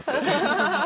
ハハハハ！